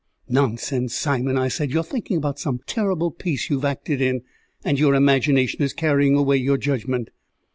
"Nonsense, Simon," I said. "You are thinking about some terrible piece you've acted in, and your imagination is carrying away your judgment."